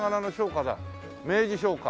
明治商家。